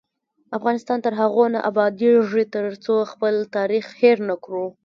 افغانستان تر هغو نه ابادیږي، ترڅو خپل تاریخ هیر نکړو.